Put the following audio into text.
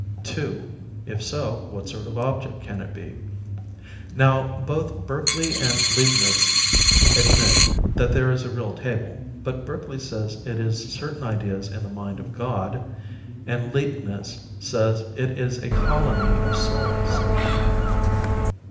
(2) If so, what sort of object can it be? Now both Berkeley and Leibniz admit that there is a real table, but Berkeley says it is certain ideas in the mind of God, and Leibniz says it is a colony of souls.